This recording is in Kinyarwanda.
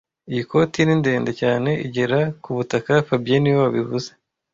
Iyi koti ni ndende cyane igera ku butaka fabien niwe wabivuze